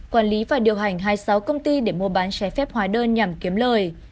quản lý và điều hành hai mươi sáu công ty để mua bán trái phép hóa đơn nhằm kiếm lời